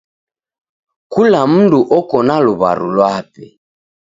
Kula mndu oko na luw'aru lwape.